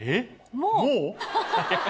もう？